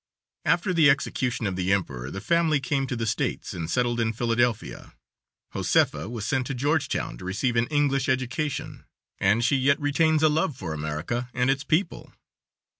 After the execution of the emperor the family came to the States, and settled in Philadelphia. Josefa was sent to Georgetown to receive an English education, and she yet retains a love for America and its people.